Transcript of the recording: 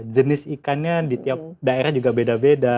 jenis ikannya di tiap daerah juga beda beda